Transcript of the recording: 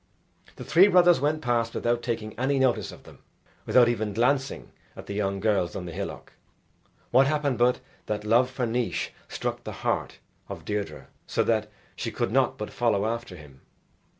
The three brothers went past without taking any notice of them, without even glancing at the young girls on the hillock. What happened but that love for Naois struck the heart of Deirdre, so that she could not but follow after him.